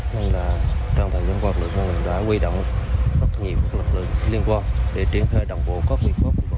nên là trong thời gian qua lực lượng đã quy động rất nhiều lực lượng liên quan để triển khai đồng bộ có quyền pháp phục vụ